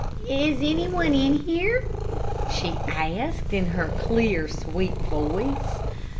"Is any one here?" she asked, in her clear, sweet voice.